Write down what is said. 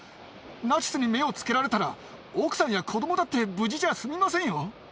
ナチスに目をつけられたら、奥さんや子どもだって無事じゃ済みませんよ。